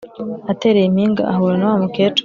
atereye impinga ahura nawamukecuru